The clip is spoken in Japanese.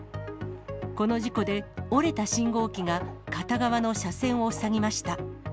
この事故で折れた信号機が片側の車線を塞ぎました。